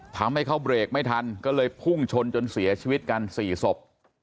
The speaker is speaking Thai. ทำให้เขาเบรกไม่ทันก็เลยพุ่งชนจนเสียชีวิตกัน๔ศพ